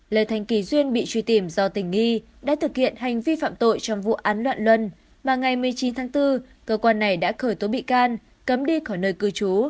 lê thành kỳ duyên bị truy tìm do tình nghi đã thực hiện hành vi phạm tội trong vụ án loạn luân mà ngày một mươi chín tháng bốn cơ quan này đã khởi tố bị can cấm đi khỏi nơi cư trú